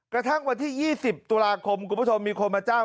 กระทั่งวันที่๒๐ตุลาคมคุณผู้ชมมีคนมาจ้าง